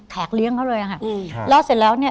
เลี้ยงเขาเลยอะค่ะแล้วเสร็จแล้วเนี่ย